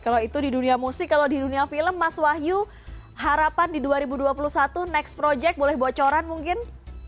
kalau itu di dunia musik kalau di dunia film mas wahyu harapan di dua ribu dua puluh satu next project boleh bocoran mungkin